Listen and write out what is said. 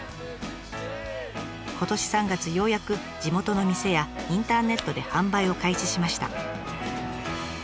今年３月ようやく地元の店やインターネットで販売を開始しました。